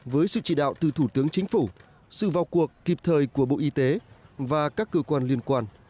với sự chỉ đạo từ thủ tướng chính phủ sự vào cuộc kịp thời của bộ y tế và các cơ quan liên quan